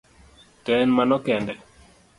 To en mano kende?